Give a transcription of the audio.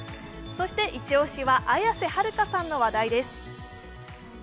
そして一押しは綾瀬はるかの話題です。